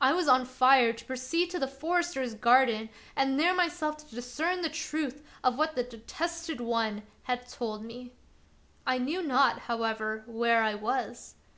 I was on fire to proceed to the forester's garden and there myself to discern the truth of what the Detested One had told me. I knew not, how ever, where I was.